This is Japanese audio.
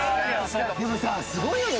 でもさすごいよね